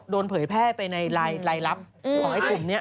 เผยแพร่ไปในรายลับของไอ้กลุ่มนี้